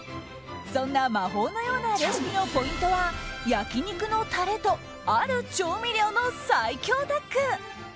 そんな魔法のようなレシピのポイントは焼き肉のタレとある調味料の最強タッグ！